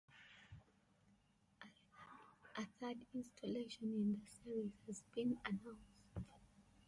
A third installation in the series has been announced.